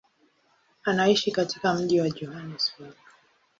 Anaishi katika mji wa Johannesburg.